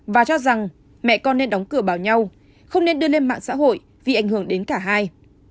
và cho rằng mẹ con nên đóng cửa bảo nhau không nên đưa lên mạng xã hội vì ảnh hưởng đến cả hai